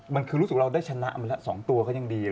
มันคือรู้สึกเราได้ชนะมาแล้ว๒ตัวก็ยังดี